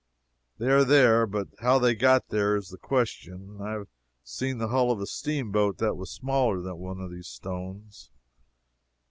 They are there, but how they got there is the question. I have seen the hull of a steamboat that was smaller than one of those stones.